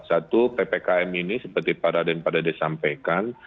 satu ppkm ini seperti pada yang pada disampaikan